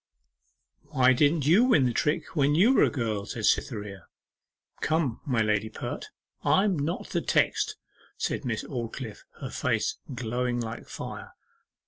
'Why didn't you win the trick when you were a girl?' said Cytherea. 'Come, my lady Pert; I'm not the text,' said Miss Aldclyffe, her face glowing like fire.